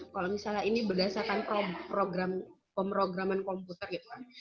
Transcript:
kalau misalnya ini berdasarkan pemrograman komputer gitu kan